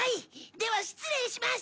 では失礼します。